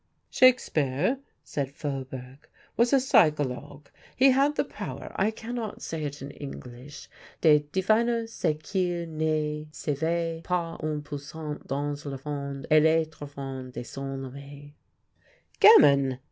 "Shakespeare," said Faubourg, "was a psychologue; he had the power, I cannot say it in English, de deviner ce qu'il ne savait pas en puisant dans le fond et le trefond de son ame." "Gammon!"